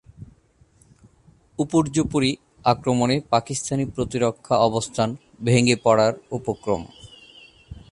উপর্যুপরি আক্রমণে পাকিস্তানি প্রতিরক্ষা অবস্থান ভেঙে পড়ার উপক্রম।